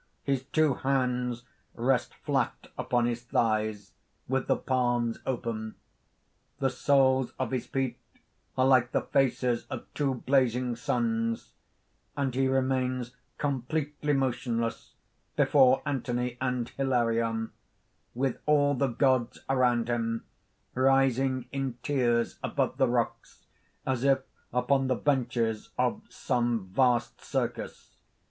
His two hands rest flat upon his thighs, with the palms open. The soles of his feet are like the faces of two blazing suns; and he remains completely motionless before Anthony and Hilarion with all the gods around him, rising in tiers above the rocks, as if upon the benches of some vast circus.